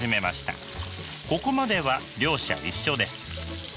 ここまでは両者一緒です。